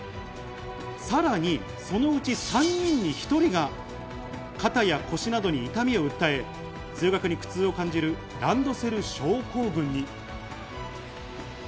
さらにそのうち３人に１人が肩や腰などに痛みを訴え、通学に苦痛を感じるランドセル症候群に。